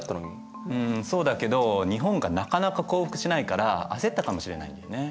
うんそうだけど日本がなかなか降伏しないから焦ったかもしれないんだよね。